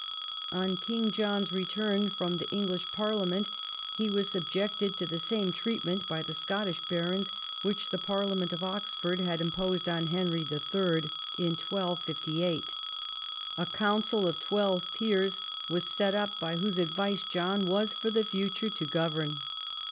On King John's return from the English parliament, he Avas subjected to the same treatment by the Scottish barons which the parliament of Oxford had imposed on Henrylll. in 1258. A council of twelve peers was set up, by Avhose advice John Avas for the future to govern.